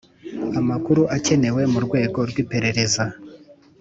amakuru akenewe mu rwego rwiperereza.